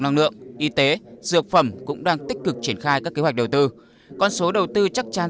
năng lượng y tế dược phẩm cũng đang tích cực triển khai các kế hoạch đầu tư con số đầu tư chắc chắn